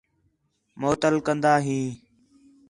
معطل کندا ہیں